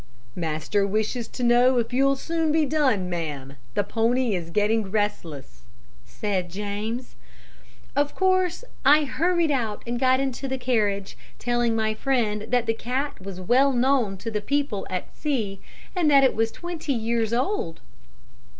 "'Master wishes to know if you'll soon be done, ma'am. The pony is getting restless,' said James. "Of course I hurried out, and got into the carriage, telling my friend that the cat was well known to the people at C , and that it was twenty years old.